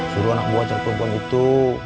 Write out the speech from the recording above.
suruh anak buah dan perempuan itu